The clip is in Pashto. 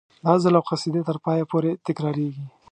د غزل او قصیدې تر پایه پورې تکراریږي.